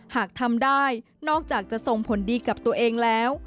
หากทำได้นอกจากจะส่งผลดีกับตัวเองแล้ว